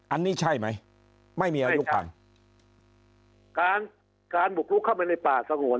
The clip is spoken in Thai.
อันนี้ใช่ไหมไม่มีอายุพังการการบุกลุกเข้าไปในป่าสงวน